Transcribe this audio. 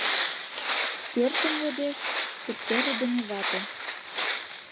Пӧртым йодеш тептердыме вате».